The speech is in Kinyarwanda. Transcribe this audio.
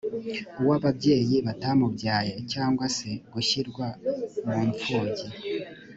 uw’ababyeyi batamubyaye cyangwa se gushyirwa mu mfubyi